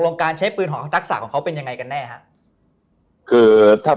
การใช้ปืนของเขาทักษะของเขาเป็นยังไงกันแน่ครับคือถ้า